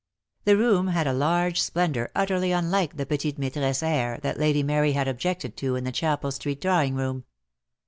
The room had a large splendour utterly unlike the petite viaitresse air that Lady Mary had objected to in the Chapel Street drawing room.